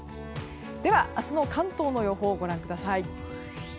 では、明日の関東の予報ご覧ください。